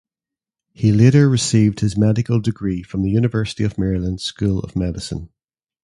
He later received his medical degree from the University of Maryland School of Medicine.